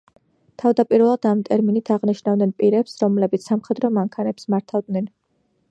თავდაპირველად ამ ტერმინით აღნიშნავდნენ პირებს, რომლებიც სამხედრო მანქანებს მართავდნენ.